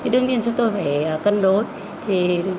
đương nhiên chúng tôi phải cân đối